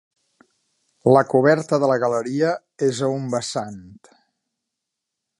La coberta de la galeria és a un vessant.